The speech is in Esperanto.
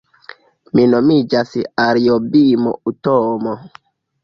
Mi nomiĝas Ariobimo Utomo